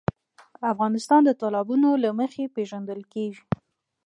افغانستان د تالابونه له مخې پېژندل کېږي.